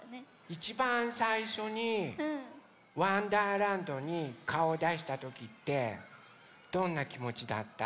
いちばんさいしょに「わんだーらんど」にかおをだしたときってどんなきもちだった？